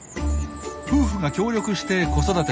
夫婦が協力して子育てします。